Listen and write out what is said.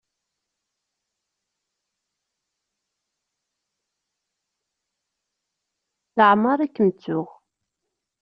Leɛmeɛ i kem-ttuɣ.